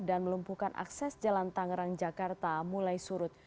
dan melumpuhkan akses jalan tangerang jakarta mulai surut